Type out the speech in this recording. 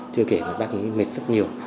chưa kể là bác ấy mệt rất nhiều